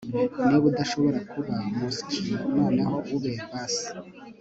niba udashobora kuba muskie noneho ube bass